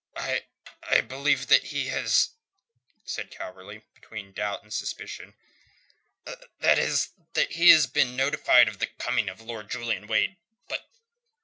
"I... I believe that he has," said Calverley, between doubt and suspicion. "That is: that he has been notified of the coming of Lord Julian Wade. But...